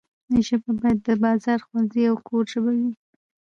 ژبه باید د بازار، ښوونځي او کور ژبه وي.